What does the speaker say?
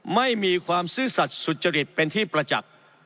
ไม่มีความซื่อสัตว์สุจริตเป็นที่ประจักษ์